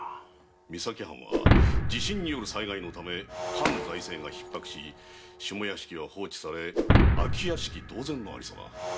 三崎藩は地震による災害のため藩財政が逼迫し下屋敷は放置され空き屋敷同然の有様。